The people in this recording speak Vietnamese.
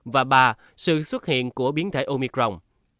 và ba sự xuất hiện của biến thể omicron